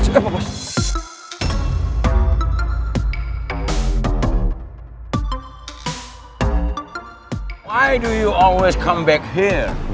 kenapa lo selalu kembali ke sini